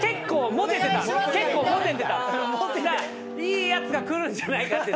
いいやつがくるんじゃないかって。